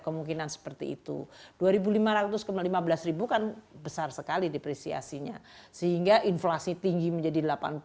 kemungkinan seperti itu dua ribu lima ratus ke lima belas kan besar sekali depresiasinya sehingga inflasi tinggi menjadi